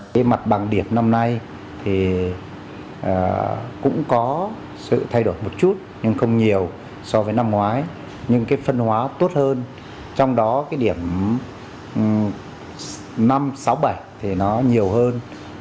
cái mặt bằng điểm năm nay thì cũng có sự thay đổi một chút nhưng không nhiều so với năm ngoái nhưng cái phân hóa tốt hơn trong đó cái điểm năm sáu bảy thì nó nhiều hơn